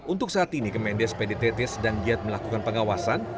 untuk saat ini kemendes pdtt sedang giat melakukan pengawasan